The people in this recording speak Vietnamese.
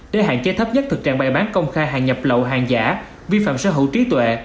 để hạn chế thấp nhất thực trạng bày bán công khai hàng nhập lậu hàng giả vi phạm sở hữu trí tuệ